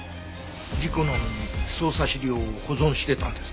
事故なのに捜査資料を保存してたんですか？